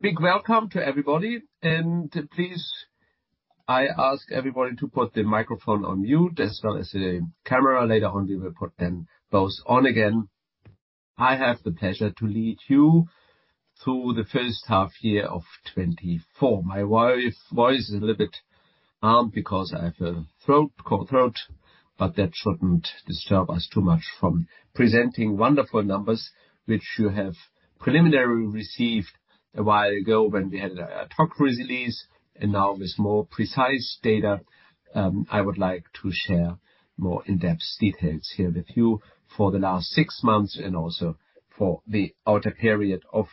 Big welcome to everybody, and please, I ask everybody to put the microphone on mute as well as the camera. Later on, we will put them both on again. I have the pleasure to lead you through the first half year of 2024. My voice is a little bit, because I have a throat cold, but that shouldn't disturb us too much from presenting wonderful numbers, which you have preliminarily received a while ago when we had a ad hoc release, and now with more precise data, I would like to share more in-depth details here with you for the last six months and also for the outlook period of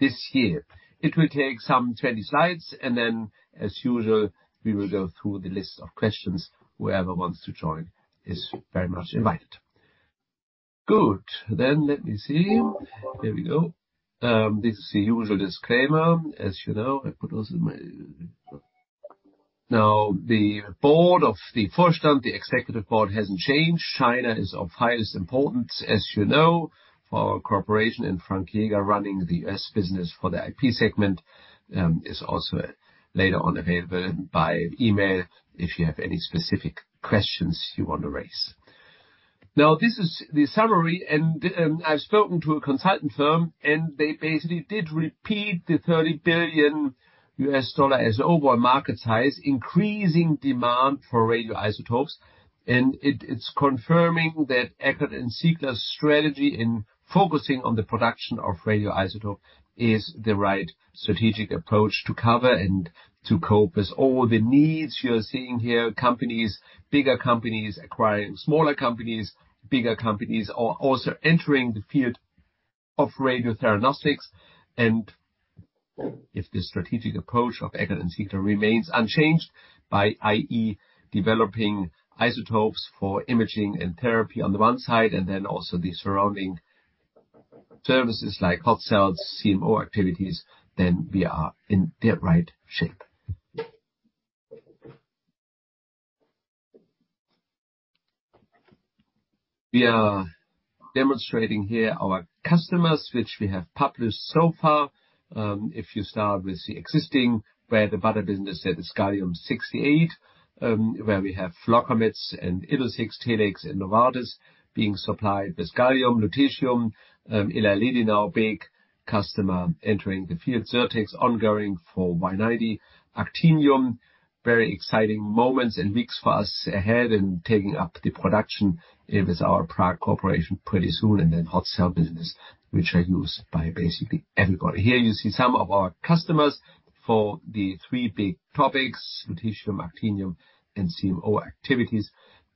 this year. It will take some 20 slides, and then, as usual, we will go through the list of questions. Whoever wants to join is very much invited. Good. Then let me see. Here we go. This is the usual disclaimer, as you know. Now, the board of the first term, the executive board, hasn't changed. China is of highest importance, as you know, for our corporation, and Frank Yeager running the U.S. business for the IP segment is also later on available by email if you have any specific questions you want to raise. Now, this is the summary, and I've spoken to a consultant firm, and they basically did repeat the $30 billion as the overall market size, increasing demand for radioisotopes. It's confirming that Eckert & Ziegler's strategy in focusing on the production of radioisotope is the right strategic approach to cover and to cope with all the needs you're seeing here, companies, bigger companies, acquiring smaller companies. Bigger companies are also entering the field of radiotheranostics, and if the strategic approach of Eckert & Ziegler remains unchanged, by i.e., developing isotopes for imaging and therapy on the one side, and then also the surrounding services like hot cells, CMO activities, then we are in the right shape. We are demonstrating here our customers, which we have published so far. If you start with the existing, where the other business had the Gallium-68, where we have Locametz and Illuccix, Telix, and Novartis being supplied with Gallium-68, Lutetium-177, Eli Lilly, now a big customer entering the field. Sirtex Medical, ongoing for Y-90. Actinium-225, very exciting moments and weeks for us ahead in taking up the production with our UJV Rez pretty soon. Then hot cell business, which are used by basically everybody. Here you see some of our customers for the three big topics: Lutetium, Actinium, and CMO activities,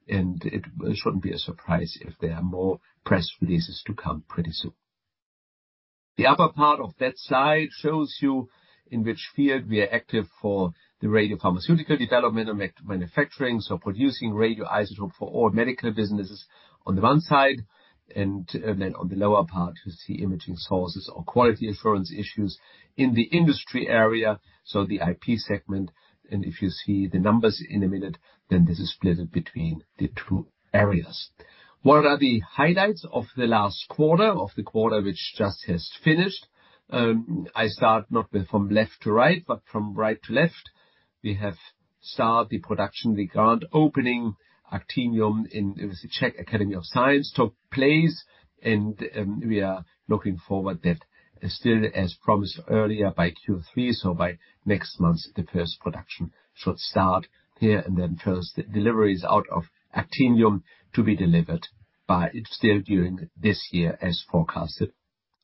and it shouldn't be a surprise if there are more press releases to come pretty soon. The upper part of that slide shows you in which field we are active for the radiopharmaceutical development and manufacturing, so producing radioisotope for all Medical businesses on the one side, and, then on the lower part, you see imaging sources or quality assurance issues in the industry area, so the IP segment. If you see the numbers in a minute, then this is split between the two areas. What are the highlights of the last quarter, of the quarter which just has finished? I start not with from left to right, but from right to left. We have started the production. The grand opening, Actinium, in the Czech Academy of Sciences, took place, and we are looking forward that still, as promised earlier, by Q3, so by next month, the first production should start here, and then first deliveries out of Actinium to be delivered by still during this year, as forecasted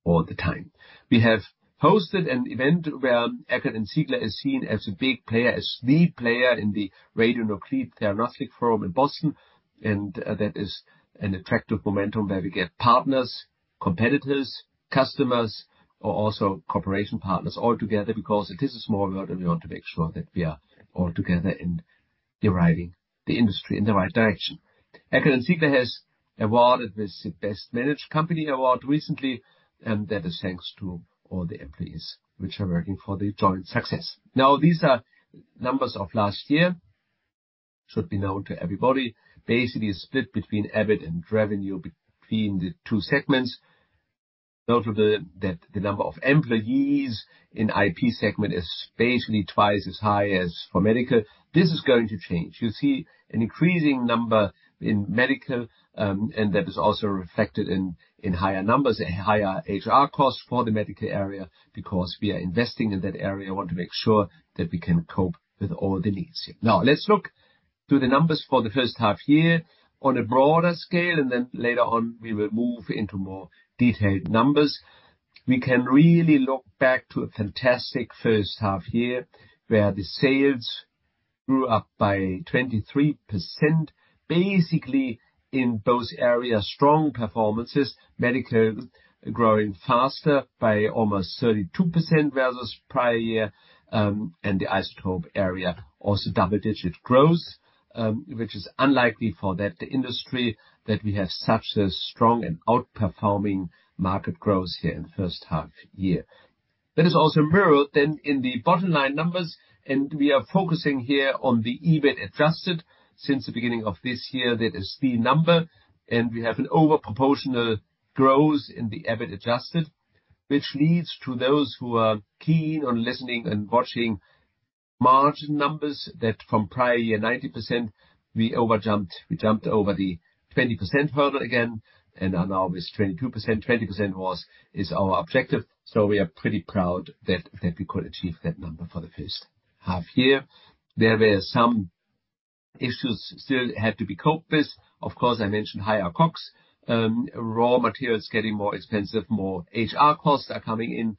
all the time. We have hosted an event where Eckert & Ziegler is seen as a big player, as the player in the radionuclide therapeutic forum in Boston, and that is an attractive momentum where we get partners, competitors, customers, or also cooperation partners all together, because it is a small world, and we want to make sure that we are all together in deriving the industry in the right direction. Eckert & Ziegler has awarded with the Best Managed Company award recently, and that is thanks to all the employees which are working for the joint success. Now, these are numbers of last year, should be known to everybody, basically split between EBIT and revenue between the two segments. Note that the number of employees in IP segment is basically twice as high as for Medical. This is going to change. You see an increasing number in Medical, and that is also reflected in higher numbers, higher HR costs for the Medical area, because we are investing in that area, want to make sure that we can cope with all the needs here. Now, let's look to the numbers for the first half year on a broader scale, and then later on, we will move into more detailed numbers. We can really look back to a fantastic first half year, where the sales grew up by 23%, basically in both areas, strong performances, Medical growing faster by almost 32% versus prior year, and the isotope area also double-digit growth, which is unlikely for that industry that we have such a strong and outperforming market growth here in first half year. That is also mirrored then in the bottom line numbers, and we are focusing here on the EBIT adjusted. Since the beginning of this year, that is the number, and we have an overproportional growth in the EBIT adjusted, which leads to those who are keen on listening and watching margin numbers, that from prior year, 90%, we over jumped. We jumped over the 20% hurdle again, and are now with 22%. 20% was, is our objective, so we are pretty proud that, that we could achieve that number for the first half year. There were some issues still had to be coped with. Of course, I mentioned higher COGS, raw materials getting more expensive, more HR costs are coming in.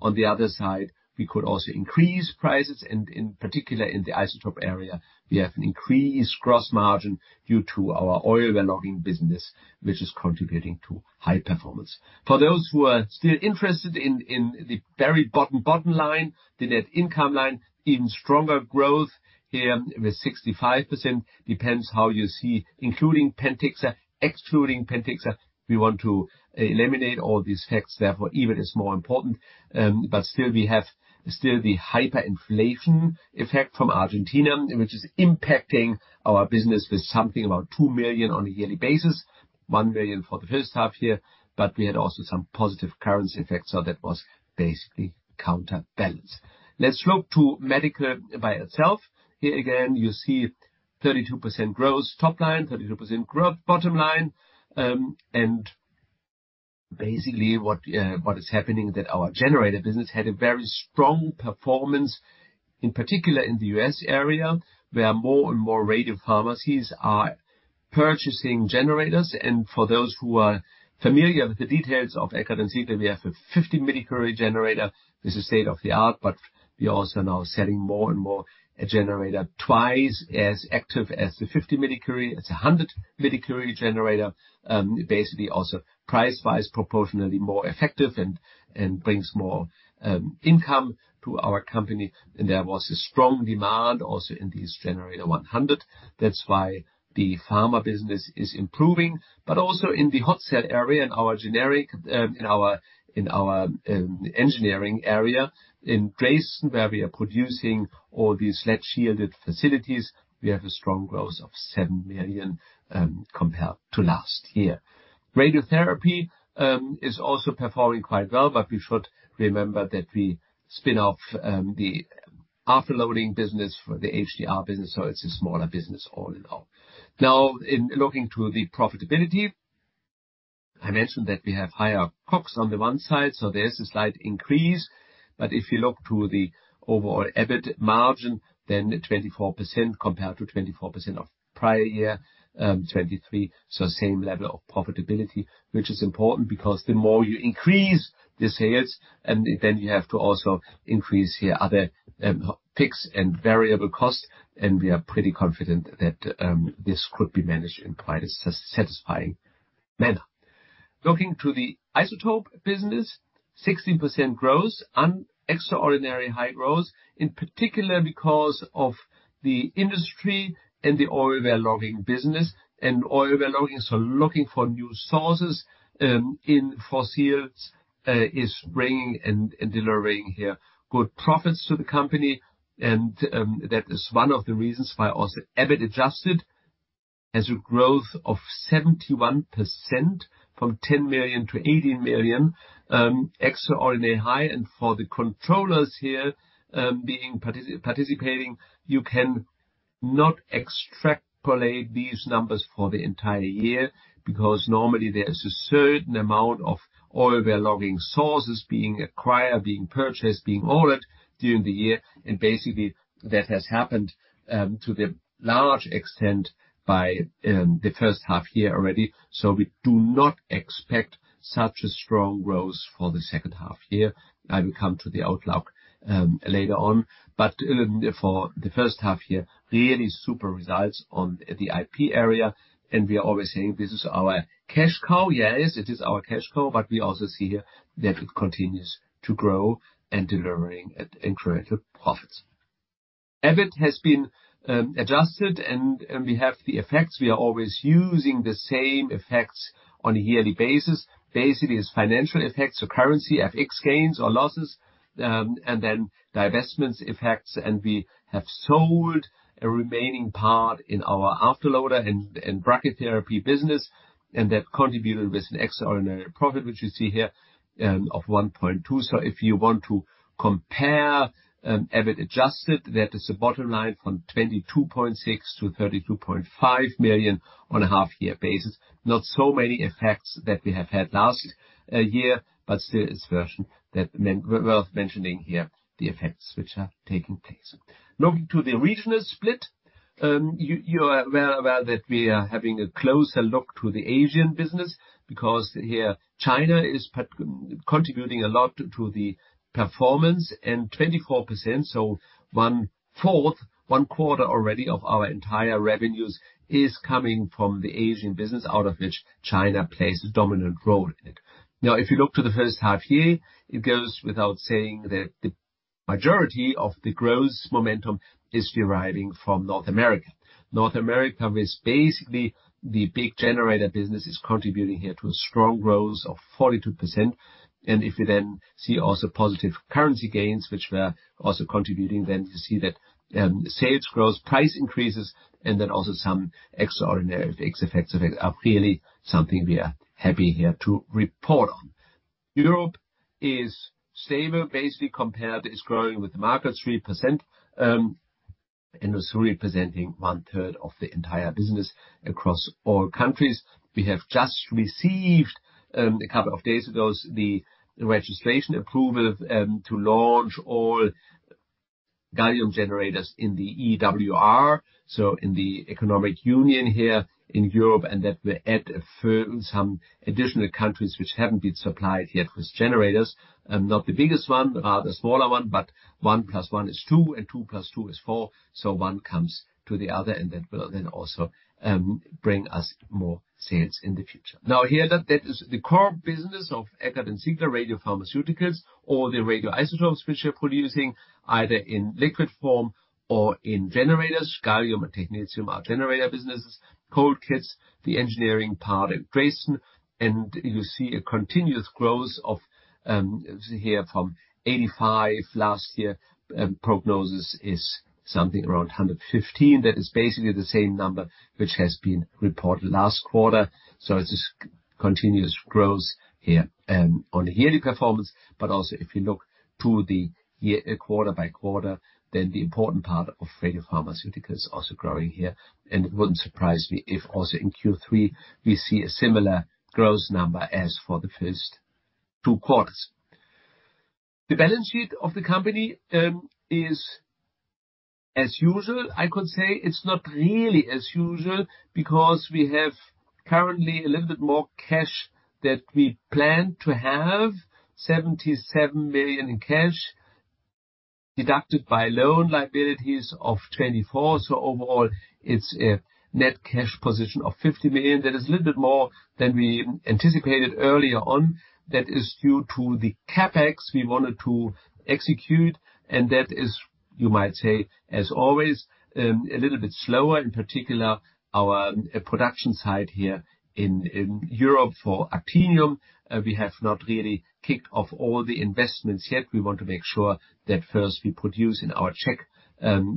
On the other side, we could also increase prices, and in particular in the isotope area, we have an increased gross margin due to our oil well logging business, which is contributing to high performance. For those who are still interested in, in the very bottom, bottom line, the net income line, even stronger growth here with 65%. Depends how you see, including Pentixapharm, excluding Pentixapharm, we want to eliminate all these effects, therefore, EBIT is more important. But still, we have still the hyperinflation effect from Argentina, which is impacting our business with something about 2 million on a yearly basis, 1 million for the first half year, but we had also some positive currency effects, so that was basically counterbalanced. Let's look to Medical by itself. Here again, you see 32% growth top line, 32% growth bottom line. And basically, what is happening, that our generator business had a very strong performance, in particular in the U.S. area, where more and more radiopharmacies are purchasing generators. And for those who are familiar with the details of Eckert & Ziegler, we have a 50 millicurie generator. This is state of the art, but we are also now selling more and more a generator twice as active as the 50 millicurie. It's a 100-millicurie generator, basically also price-wise, proportionally more effective and brings more income to our company. And there was a strong demand also in these Generator 100. That's why the pharma business is improving. But also in the hot cell area, in our engineering area, in Dresden, where we are producing all these lead-shielded facilities, we have a strong growth of 7 million compared to last year. Radiotherapy is also performing quite well, but we should remember that we spin off the afterloading business for the HDR business, so it's a smaller business all in all. Now, in looking to the profitability, I mentioned that we have higher COGS on the one side, so there's a slight increase. But if you look to the overall EBIT margin, then 24% compared to 24% of prior year, 2023. So same level of profitability, which is important, because the more you increase the sales, and then you have to also increase your other, fixed and variable costs, and we are pretty confident that, this could be managed in quite a satisfying manner. Looking to the isotope business, 16% growth, extraordinary high growth, in particular because of the industry and the oil well logging business. And oil well logging, so looking for new sources, in fossils, is bringing and delivering here good profits to the company. And, that is one of the reasons why also EBIT adjusted has a growth of 71% from 10 million to 18 million, extraordinary high. For the controllers here, being participating, you can not extrapolate these numbers for the entire year, because normally there is a certain amount of oil well logging sources being acquired, being purchased, being ordered during the year. Basically, that has happened to the large extent by the first half year already. We do not expect such a strong growth for the second half year. I will come to the outlook later on. For the first half year, really super results on the IP area, and we are always saying, "This is our cash cow." Yes, it is our cash cow, but we also see here that it continues to grow and delivering increased profits. EBIT has been adjusted, and we have the effects. We are always using the same effects on a yearly basis. Basically, it's financial effects, so currency, FX gains or losses, and then divestments effects. We have sold a remaining part in our afterloader and brachytherapy business, and that contributed with an extraordinary profit, which you see here, of 1.2 million. So if you want to compare, EBIT adjusted, that is the bottom line from 22.6 million to 32.5 million on a half-year basis. Not so many effects that we have had last year, but still it's worth mentioning here, the effects which are taking place. Looking to the regional split, you are well aware that we are having a closer look to the Asian business, because here, China is particularly contributing a lot to the performance. 24%, so 1/4, 1/4 already of our entire revenues is coming from the Asian business, out of which China plays a dominant role in it. Now, if you look to the first half year, it goes without saying that the majority of the growth momentum is deriving from North America. North America is basically the big generator business, is contributing here to a strong growth of 42%. And if you then see also positive currency gains, which were also contributing, then you see that, sales growth, price increases, and then also some extraordinary FX effects of it, are really something we are happy here to report on. Europe is stable, basically compared, it's growing with market 3%, and also representing 1/3 of the entire business across all countries. We have just received, a couple of days ago, the registration approval, to launch all gallium generators in the EWR, so in the Economic Union here in Europe, and that will add a further some additional countries which haven't been supplied yet with generators. Not the biggest one, rather smaller one, but 1 + 1 is 2, and 2 + 2 is 4, so one comes to the other, and that will then also, bring us more sales in the future. Now, here, that, that is the core business of Eckert & Ziegler Radiopharmaceuticals, or the radioisotopes which we're producing, either in liquid form or in generators. Gallium and technetium are generator businesses. Cold kits, the engineering part at Dresden, and you see a continuous growth of, here from 85 last year, prognosis is something around 115. That is basically the same number which has been reported last quarter, so it is continuous growth here. On a yearly performance, but also if you look to the year, quarter by quarter, then the important part of radiopharmaceuticals also growing here, and it wouldn't surprise me if also in Q3, we see a similar growth number as for the first two quarters. The balance sheet of the company is as usual, I could say. It's not really as usual because we have currently a little bit more cash that we planned to have, 77 million in cash, deducted by loan liabilities of 24 million. So overall, it's a net cash position of 50 million. That is a little bit more than we anticipated earlier on. That is due to the CapEx we wanted to execute, and that is, you might say, as always, a little bit slower, in particular, our production site here in Europe for actinium. We have not really kicked off all the investments yet. We want to make sure that first we produce in our Czech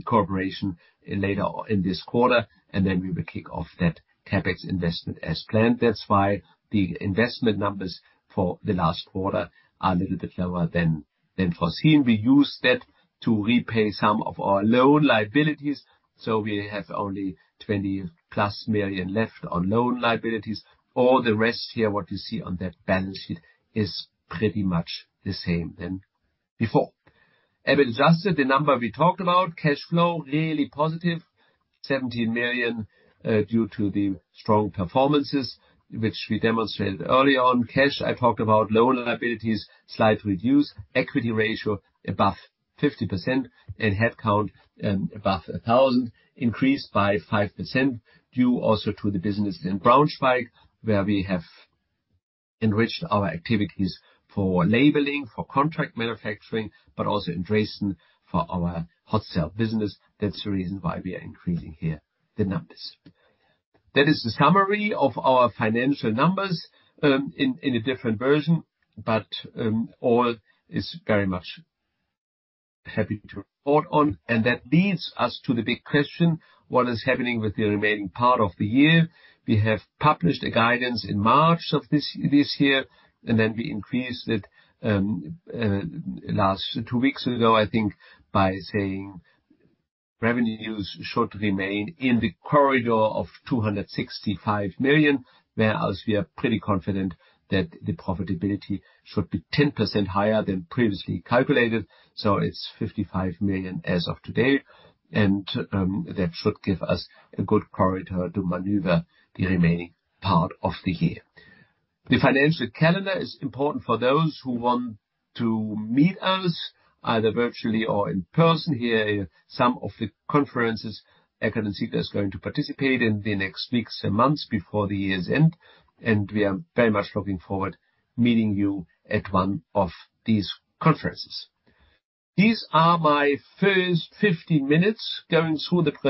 corporation later in this quarter, and then we will kick off that CapEx investment as planned. That's why the investment numbers for the last quarter are a little bit lower than foreseen. We use that to repay some of our loan liabilities, so we have only 20+ million left on loan liabilities. All the rest here, what you see on that balance sheet, is pretty much the same than before. EBITDA, the number we talked about, cash flow, really positive, 17 million, due to the strong performances which we demonstrated early on. Cash, I talked about. Loan liabilities, slight reduce. Equity ratio, above 50%, and headcount, above 1,000, increased by 5%, due also to the business in Braunschweig, where we have enriched our activities for labeling, for contract manufacturing, but also in Dresden for our hot cell business. That's the reason why we are increasing here the numbers. That is the summary of our financial numbers, in a different version, but all is very much happy to report on. And that leads us to the big question: What is happening with the remaining part of the year? We have published a guidance in March of this, this year, and then we increased it last two weeks ago, I think, by saying revenues should remain in the corridor of 265 million, whereas we are pretty confident that the profitability should be 10% higher than previously calculated, so it's 55 million as of today, and that should give us a good corridor to maneuver the remaining part of the year. The financial calendar is important for those who want to meet us, either virtually or in person. Here are some of the conferences Eckert & Ziegler is going to participate in the next weeks and months before the year's end, and we are very much looking forward meeting you at one of these conferences. These are my first 50 minutes going through the quarter-